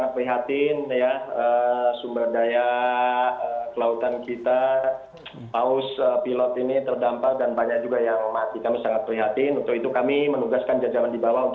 baik terima kasih